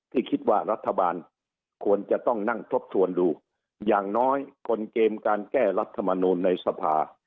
ที่คิดว่ารัฐบาลควรจะต้องนั่งทบทวนดูอย่างน้อยกลเกมการแก้รัฐมนูลในสภา